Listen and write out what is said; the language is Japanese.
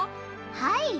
はい。